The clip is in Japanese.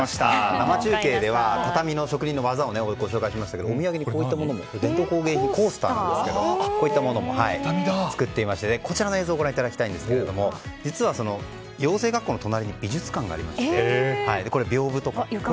生中継では畳の職人に技をご紹介しましたけどお土産に、こういった伝統工芸品コースターなんですけどこういったものも作っていましてこちらの映像をご覧いただきたいんですが実は、養成学校の隣に美術館がありまして屏風とか。